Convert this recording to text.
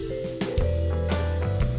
kita tau barusan